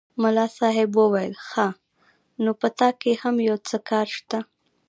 ملا صاحب وویل ښه! نو په تا کې هم یو څه کار شته.